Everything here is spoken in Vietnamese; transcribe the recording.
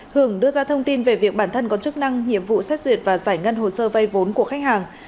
hưởng đưa ra thông tin về việc bản thân có chức năng nhiệm vụ xét duyệt và giải ngân hồ sơ vay vốn của khách hàng